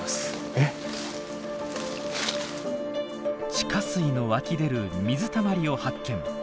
地下水の湧き出る水たまりを発見。